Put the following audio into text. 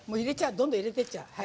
どんどん、入れてっちゃう。